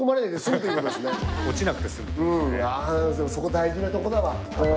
そこ大事なとこだわ。